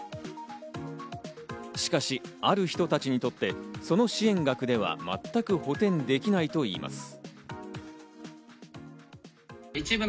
しかし、ある人たちにとってその支援額では全く補填できないといいます。